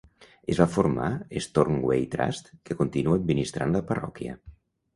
Es va formar Stornoway Trust que continua administrant la parròquia.